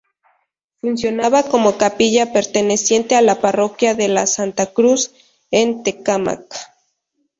Funcionaba como capilla perteneciente a la Parroquia de la Santa Cruz, en Tecámac.